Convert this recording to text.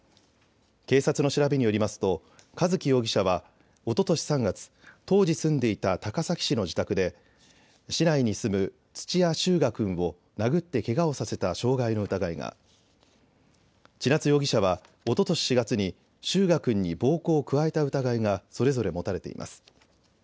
警察の調べによりますと一貴容疑者はおととし３月当時住んでいた高崎市の自宅で市内に住む土屋翔雅君を殴ってけがをさせた傷害の疑いが千夏容疑者はおととし４月に翔雅君に暴行を加えた疑いがそれぞれ持たれています。